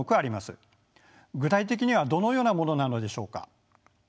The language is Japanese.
具体的にはどのようなものなのでしょうか。